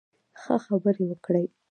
ښه، خبرې وکړئ